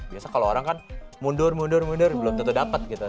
biasa kalau orang kan mundur mundur belum tentu dapat gitu